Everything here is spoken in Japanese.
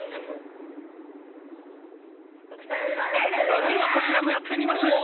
それではこちらもやってみましょう。